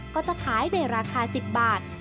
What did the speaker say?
ก็จะขายในราคา๑๐บาท